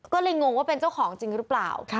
ก็เลยงงว่าเป็นเจ้าของจริงหรือเปล่า